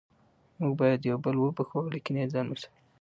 موږ باید یو بل وبخښو او له کینې ځان وساتو